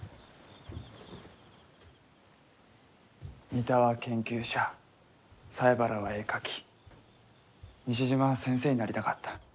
三田は研究者西原は絵描き西島は先生になりたかった。